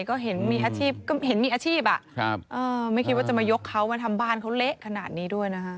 ก็เห็นมีอาชีพอ่ะไม่คิดว่าจะมายกเขามาทำบ้านเขาเละขนาดนี้ด้วยนะฮะ